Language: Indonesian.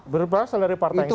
berpasal dari partai yang sama